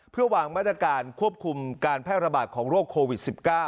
เพื่อวางมาตรการควบคุมการแพร่ระบาดของโรคโควิด๑๙